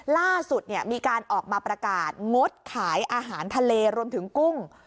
ล่าสุดมีการออกมาประกาศงดขายอาหารทะเลรวมถึงกุ้ง